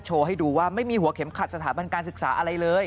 ให้ดูว่าไม่มีหัวเข็มขัดสถาบันการศึกษาอะไรเลย